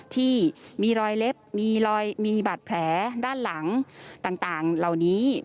ที่มีรอยเล็บมีรอยมีบาดแผลด้านหลังต่างเหล่านี้